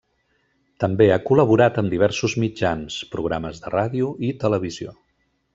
També ha col·laborat amb diversos mitjans, programes de ràdio i televisió.